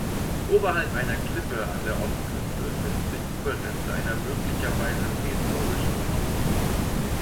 Oberhalb einer Klippe an der Ostküste finden sich Überreste einer möglicherweise prähistorischen Behausung.